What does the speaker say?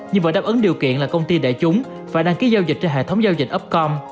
nhưng vẫn đáp ứng điều kiện là công ty đại chúng phải đăng ký giao dịch trên hệ thống giao dịch upcom